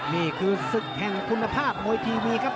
นี่คือศึกแห่งคุณภาพมวยทีวีครับ